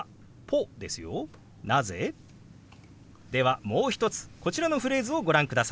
ではもう一つこちらのフレーズをご覧ください。